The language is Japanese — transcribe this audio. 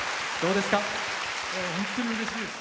本当にうれしいです。